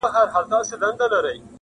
د مالدار چې احتساب دے لاجواب دے